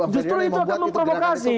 justru itu akan memprovokasi